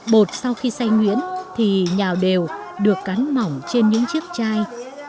bột sau khi xay nguyễn thì nhào đều được cắn mỏng trên những chiếc chai